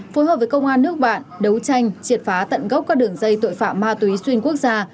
phối hợp với công an nước bạn đấu tranh triệt phá tận gốc các đường dây tội phạm ma túy xuyên quốc gia